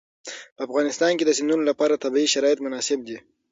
په افغانستان کې د سیندونه لپاره طبیعي شرایط مناسب دي.